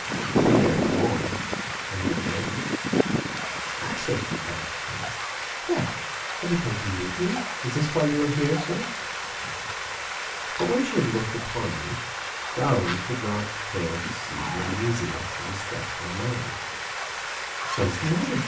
Ten yards more, and I had joined her. "Axel!" she cried surprised. "What! have you come to meet me? Is this why you are here, sir?" But when she had looked upon me, Gräuben could not fail to see the uneasiness and distress of my mind. "What is the matter?"